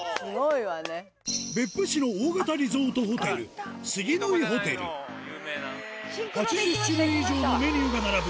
別府市の大型リゾートホテル８０種類以上のメニューが並ぶ